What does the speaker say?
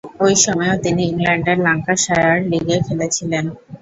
ঐ সময়েও তিনি ইংল্যান্ডের ল্যাঙ্কাশায়ার লীগে খেলেছিলেন।